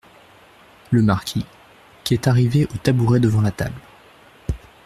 Le marquis , qui est arrivé au tabouret devant la table.